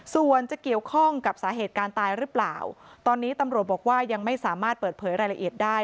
ส่วนจะเกี่ยวข้องกับสาเหตุการณ์ตายหรือเปล่าตอนนี้ตำรวจบอกว่ายังไม่สามารถเปิดเผยรายละเอียดได้